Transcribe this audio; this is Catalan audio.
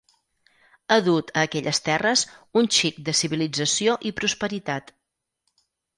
Ha dut a aquelles terres un xic de civilització i prosperitat.